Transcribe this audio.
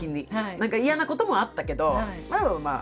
何か嫌なこともあったけどまあ